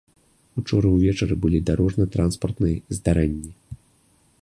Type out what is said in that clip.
Учора ўвечары былі дарожна-транспартныя здарэнні.